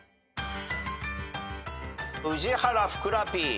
宇治原ふくらＰ。